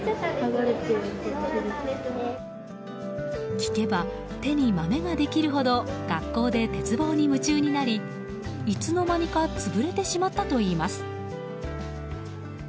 聞けば、手にまめができるほど学校で鉄棒に夢中になりいつの間にか潰れてしまったといいます。